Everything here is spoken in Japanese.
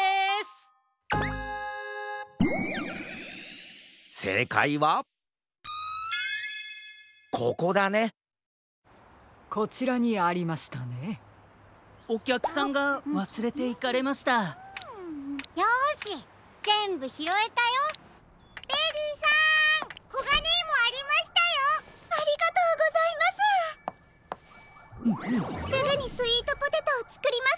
すぐにスイートポテトをつくりますわ。